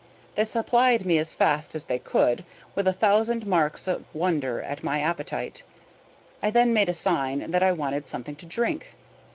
They supplied me as fast as they could, with a thousand marks of wonder at my appetite. I then made a sign that I wanted something to drink.